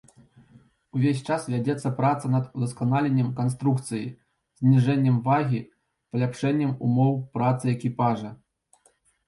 Увесь час вядзецца праца над удасканаленнем канструкцыі, зніжэннем вагі, паляпшэннем умоў працы экіпажа.